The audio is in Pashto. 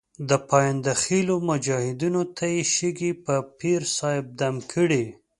د پاینده خېلو مجاهدینو ته یې شګې په پیر صاحب دم کړې.